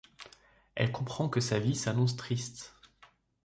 Elle comprend que sa vie s'annonce triste.